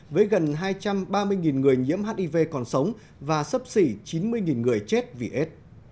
với gần hai trăm ba mươi người nhiễm hiv còn sống và sấp xỉ chín mươi người chết vì aids